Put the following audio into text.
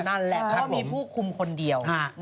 เพราะว่ามีผู้คุมคนเดียว